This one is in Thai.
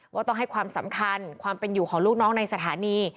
ว่าต้องให้ความสำคัญความเป็นอยู่ของลูกน้องในสถานี